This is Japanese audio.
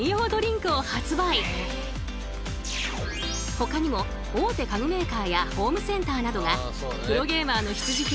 ほかにも大手家具メーカーやホームセンターなどがプロゲーマーの必需品